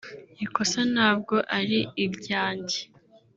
Ikosa ntabwo ari iryanjye